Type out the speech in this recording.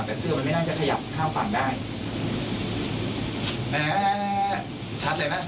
แต่เสื้อมันไม่น่าจะขยับข้างฝั่งได้